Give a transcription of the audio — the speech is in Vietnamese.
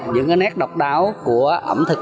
những nét độc đáo của ẩm thực